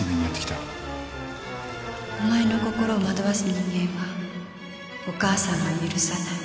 お前の心を惑わす人間はお母さんが許さない